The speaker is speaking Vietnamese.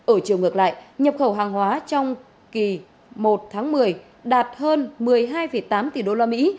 ở chiều ngược lại nhập khẩu hàng hóa trong kỳ một tháng một mươi đạt hơn một mươi hai tám tỷ đô la mỹ